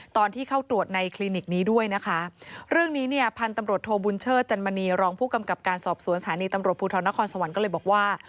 ตอนที่เข้าตรวจในคลินิกนี้ด้วยนะคะเรื่องนี้เนี่ยพันธุ์ตำรวจโทบุญเชิดจันมณีรองผู้กำกับการสอบสวนสถานีตำรวจภูทรนครสวรรค์ก็เลยบอกว่า